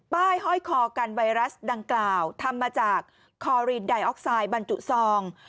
ห้อยคอกันไวรัสดังกล่าวทำมาจากคอรีนไดออกไซด์บรรจุซอง